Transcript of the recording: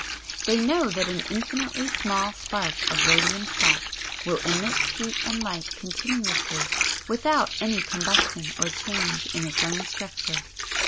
They know that an infinitely small spark of radium salt will emit heat and light continuously without any combustion or change in its own structure.